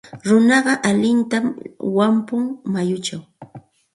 Runaqa allintam wampun mayuchaw.